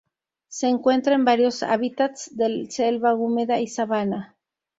Se encuentra en varios hábitats del selva húmeda y sabana.